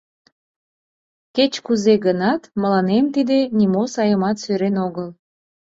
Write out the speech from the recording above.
Кеч-кузе гынат, мыланем тиде нимо сайымат сӧрен огыл.